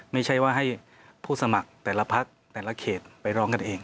ไม่ใช่ว่าให้ผู้สมัครแต่ละพักแต่ละเขตไปร้องกันเอง